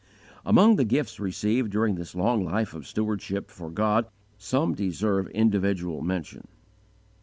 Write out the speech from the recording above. Among the gifts received during this long life of stewardship for God some deserve individual mention.